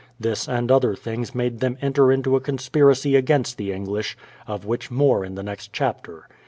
This and other things made them enter into a conspiracy against the English, of which more in the next chapter.